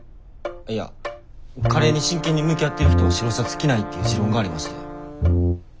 いやカレーに真剣に向き合ってる人は白シャツ着ないっていう持論がありまして。